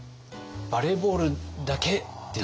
「バレーボールだけ！」っていう。